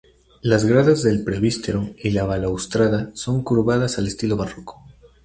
Las gradas del presbítero y la balaustrada son curvadas al estilo barroco.